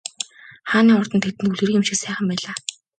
Хааны ордон тэдэнд үлгэрийн юм шиг сайхан байлаа.